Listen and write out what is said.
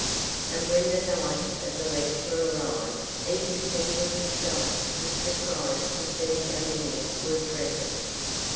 And when the night of the lecture arrived even Peter himself was surprised to see how many were present.